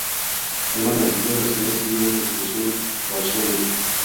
Además, la amplitud de la señal sigue una distribución gaussiana.